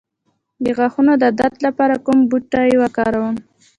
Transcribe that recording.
د غاښونو د درد لپاره کوم بوټی وکاروم؟